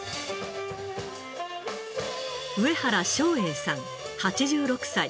上原昌栄さん８６歳。